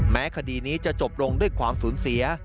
คดีนี้จะจบลงด้วยความสูญเสีย